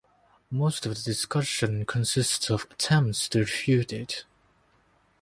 Most of the discussion consists of attempts to refute it.